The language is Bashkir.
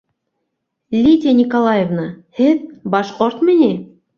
Лидия Николаевна? һеҙ... башҡортмо ни?